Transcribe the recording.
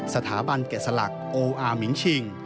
สถาบันแกะสลักโออามิงชิง